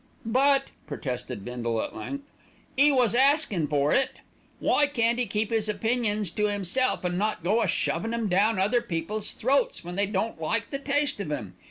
"But," protested Bindle at length, "'e was askin' for it. Why can't 'e keep 'is opinions to 'imself, and not go a shovin' 'em down other people's throats when they don't like the taste of 'em?